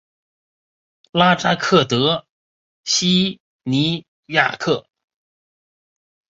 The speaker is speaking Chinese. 拉扎克德索西尼亚克。